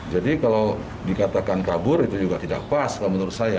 jadi kalau dikatakan kabur itu juga tidak pas kalau menurut saya